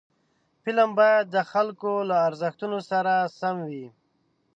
فلم باید د خلکو له ارزښتونو سره سم وي